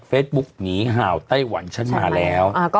เฟซบุ๊กหนีห่าวไต้หวันฉันมาแล้ว